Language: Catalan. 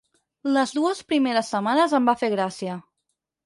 Les dues primeres setmanes em va fer gràcia.